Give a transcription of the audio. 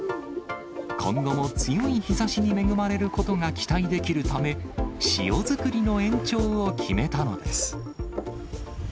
今後も強い日ざしに恵まれることが期待できるため、塩作りの延長を決めたのです。